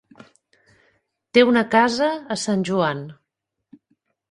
Té una casa a Sant Joan.